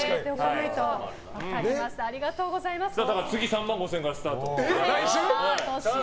次、３万５０００からスタート。